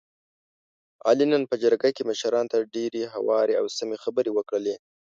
علي نن په جرګه کې مشرانو ته ډېرې هوارې او سمې خبرې وکړلې.